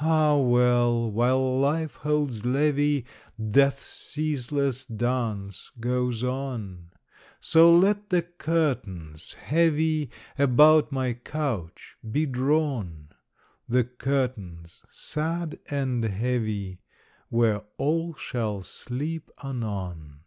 Ah, well! while Life holds levee, Death's ceaseless dance goes on. So let the curtains, heavy About my couch, be drawn The curtains, sad and heavy, Where all shall sleep anon.